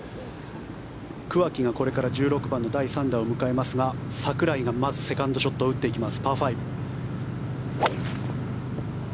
桑木がこれから１６番の第３打を迎えますが櫻井がまずセカンドショットを打っていきます、